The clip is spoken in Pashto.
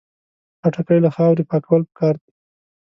خټکی له خاورې پاکول پکار دي.